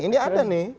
ini ada nih